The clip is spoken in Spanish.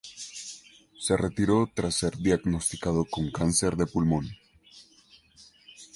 Se retiró tras ser diagnosticado con cáncer de pulmón.